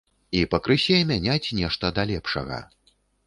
І пакрысе мяняць нешта да лепшага.